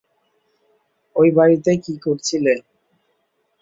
ঐ বাড়িতে কী করছিলে?